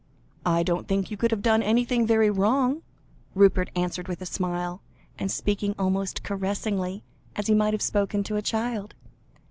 "I don't think you can have done anything very wrong," Rupert answered with a smile, and speaking almost caressingly, as he might have spoken to a child.